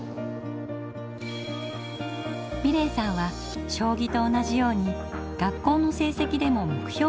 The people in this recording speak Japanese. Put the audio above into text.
美礼さんは将棋と同じように学校の成績でも目標を持っています。